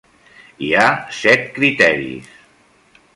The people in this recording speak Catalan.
Hi ha set criteris.